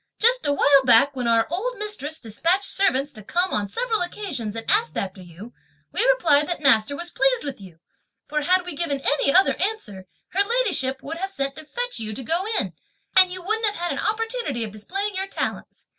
just a while back when our old mistress despatched servants to come on several occasions and ask after you, we replied that master was pleased with you; for had we given any other answer, her ladyship would have sent to fetch you to go in, and you wouldn't have had an opportunity of displaying your talents.